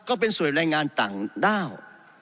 ก็เป็นส่วนแรงงานต่างด้าว